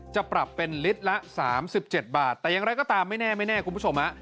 จะปรับเป็นลิตรละ๓๗บาทแต่อย่างไรก็ตามไม่แน่ไม่แน่คุณผู้ชมฮะ